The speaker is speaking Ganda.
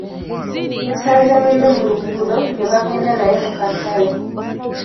Yasanze munne mu luguudo nebagenda naye mu katale.